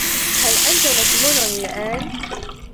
هل أنت مشغول الآن ؟